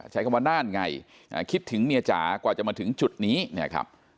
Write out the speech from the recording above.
ใช้คำว่านั่นไงคิดถึงเมียจ๋ากว่าจะมาถึงจุดนี้เนี่ยครับ